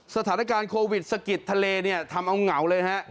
สถานการณ์โควิดสะกิดทะเลเนี่ยทำเอาเหงาเลยฮะ